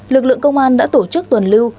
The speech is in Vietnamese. lực lượng công an đã tổ chức tuần lưu